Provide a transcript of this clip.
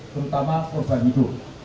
terutama korban hidup